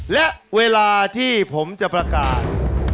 และเวลาที่ผมจะประกาศ